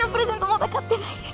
まだ買ってないです。